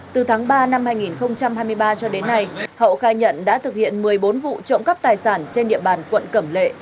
từ tháng ba năm hai nghìn hai mươi ba cho đến nay hậu khai nhận đã thực hiện một mươi bốn vụ trộm cắp tài sản trên địa bàn quận cẩm lệ